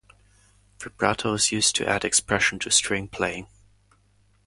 Vibrato is used to add expression to string playing.